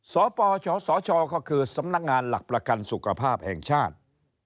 สปชสชก็คือสำนักงานหลักประกันสุขภาพแห่งชาติ